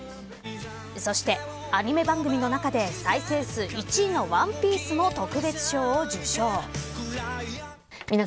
そしてアニメ番組の中で再生数１位のＯＮＥＰＩＥＣＥも特別賞を受賞。